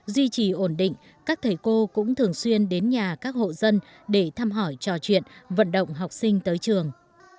duy trì ổn định các thầy cô cũng thường xuyên đến nhà các hộ dân để thăm hỏi trò chuyện vận động học sinh tới trường